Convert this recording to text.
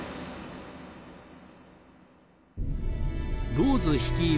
ローズ率いる